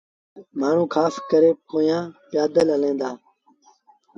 مآڻهوٚٚݩ کآس ڪري پيٚآدل هليݩ دآ۔